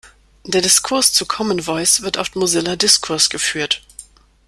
Der Diskurs zu Common Voice wird auf Mozilla Discourse geführt.